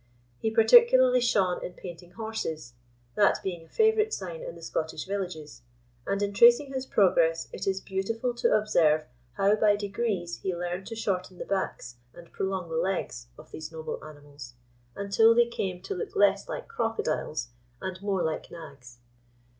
He particularly shone in painting horses, that being a favourite sign in the Scottish villages; and, in tracing his progress, it is beautiful to observe how by degrees he learned to shorten the backs and prolong the legs of these noble animals, until they came to look less like crocodiles, and more like nags.